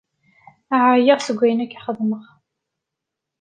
Ԑyiɣ seg ayen akka xeddmeɣ.